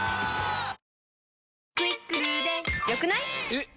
えっ！